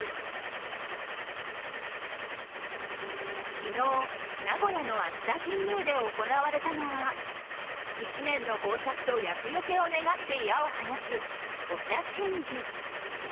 昨日、名古屋の熱田神宮で行われたのは１年の豊作と厄よけを願って矢を放つ歩射神事。